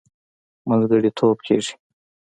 منځګړتوب کېږي.